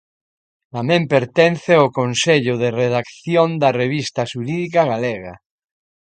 Tamén pertence ao consello de redacción da Revista Xurídica Galega.